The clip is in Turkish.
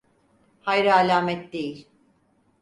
Hayra alamet değil.